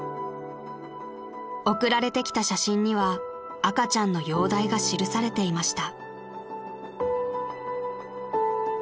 ［送られてきた写真には赤ちゃんの容体が記されていました］